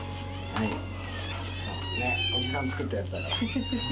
おじさん作ったやつだから。